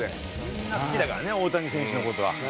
みんな好きだからね大谷選手の事は。